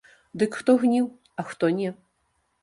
Дык хто гніў, а хто не.